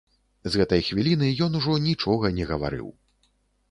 З гэтай хвіліны ён ужо нічога не гаварыў.